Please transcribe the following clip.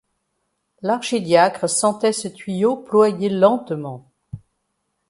L’archidiacre sentait ce tuyau ployer lentement.